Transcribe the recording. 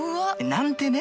「なんてね。